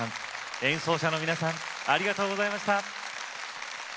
演奏者の皆さんありがとうございました。